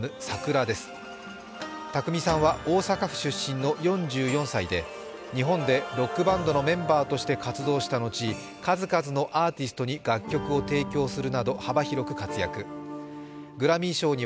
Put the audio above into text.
大阪府出身の４４歳で日本でロックバンドのメンバーとして活動した後、数々のアーティストに楽曲を提供するなど幅広く活躍。